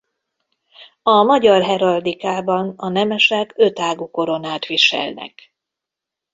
A magyar heraldikában a nemesek ötágú koronát viselnek.